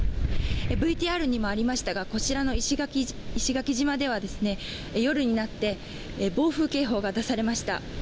ＶＴＲにもありましたがこちらの石垣島では夜になって暴風警報が出されました。